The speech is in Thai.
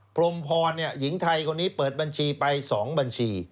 พรมพรหญิงไทยคนนี้เปิดบัญชีไป๒บัญชี